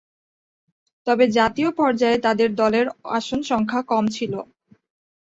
তবে জাতীয় পর্যায়ে তাদের দলের আসন সংখ্যা কম ছিল।